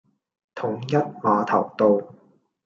統一碼頭道